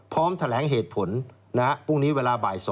พร้อมแถลงเหตุผลพรุ่งนี้เวลาบ่าย๒